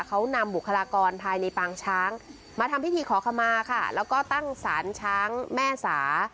เขานำบุคลากรภายในปางช้างมาทำพิธีขอขมาค่ะแล้วก็ตั้งสารช้างแม่สา